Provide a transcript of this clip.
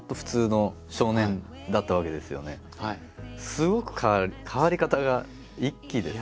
すごく変わる変わり方が一気ですね。